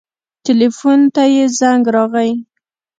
ټېلفون ته يې زنګ راغى.